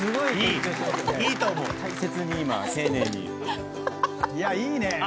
いいね。